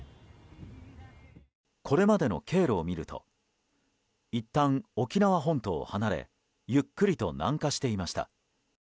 これまでの経路を見るといったん沖縄本島を離れゆっくりと南下していました。